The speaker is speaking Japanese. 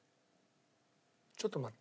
ちょっと待って。